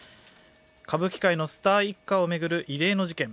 歌舞伎界のスター一家を巡る異例の事件。